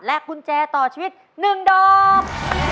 กุญแจต่อชีวิต๑ดอก